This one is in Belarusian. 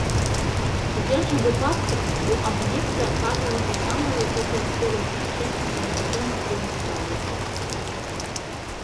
У першым выпадку у аб'екта аказвалася самая высокая скорасць вярчэння сярод вядомых белых карлікаў.